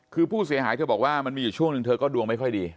คือผู้เสียหายเธอบอกว่ามันมีอยู่ช่วงหนึ่งเธอก็ดวงไม่ค่อยดี